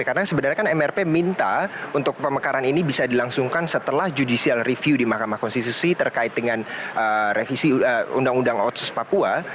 karena sebenarnya kan mrp minta untuk pemekaran ini bisa dilangsungkan setelah judicial review di mahkamah konstitusi terkait dengan revisi undang undang otsus papua